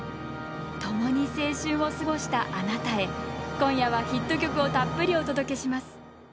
ともに青春を過ごしたあなたへ今夜はヒット曲をたっぷりお届けします。